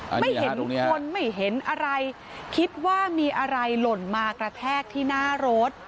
ไม่เห็นคนไม่เห็นอะไรคิดว่ามีอะไรหล่นมากระแทกที่หน้ารถ